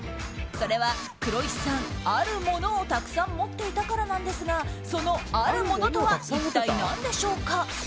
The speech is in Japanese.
それは黒石さんあるものをたくさん持っていたからなんですがその、あるものとは一体何でしょうか？